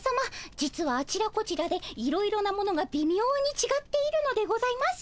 実はあちらこちらでいろいろなものがびみょうにちがっているのでございます。